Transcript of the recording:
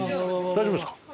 大丈夫ですか！